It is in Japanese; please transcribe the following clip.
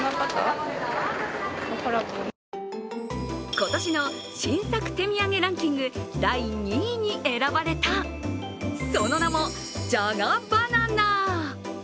今年の新作手土産ランキング第２位に選ばれた、その名も、じゃがばな奈。